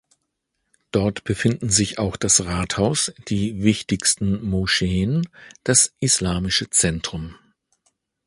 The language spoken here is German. Dort befinden sich auch das Rathaus, die wichtigsten Moscheen, das Islamische Zentrum.